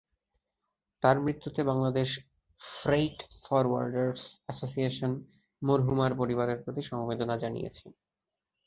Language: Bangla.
তাঁর মৃত্যুতে বাংলাদেশ ফ্রেইট ফরওয়ার্ডার্স অ্যাসোসিয়েশন মরহুমার পরিবারের প্রতি সমবেদনা জানিয়েছে।